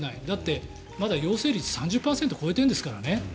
だって、まだ陽性率３０％超えてるんですからね。